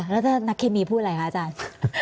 แล้วถ้านักเคมีพูดอะไรคะอาจารย์